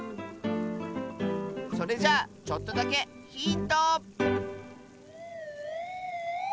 それじゃあちょっとだけヒント！